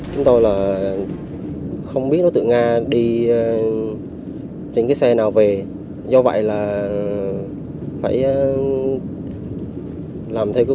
chúng tôi là không biết nó tự nga đi trên cái xe nào về do vậy là phải làm theo các